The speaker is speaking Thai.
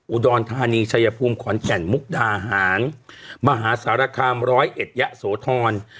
อุดรธานีชัยภูมิขอนแก่นมุกดาหารมหาสารคามร้อยเอ็ดยะโสธร